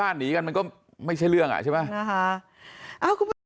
ผมไม่ได้ผิดเหมือนที่ในกล่าว